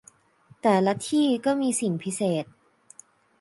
แต่ละที่ก็มี 'สิ่งพิเศษ'